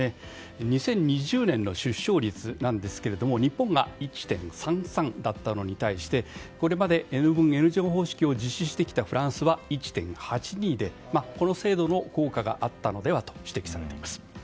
２０２０年の出生率なんですが日本が１．３３だったのに対してこれまでＮ分Ｎ乗方式を実施してきたフランスは１．８２でこの制度の効果があったのではと指摘されています。